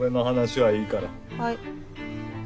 はい。